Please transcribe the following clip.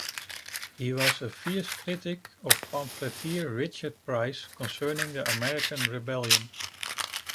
He was a fierce critic of pamphleteer Richard Price concerning the American rebellion.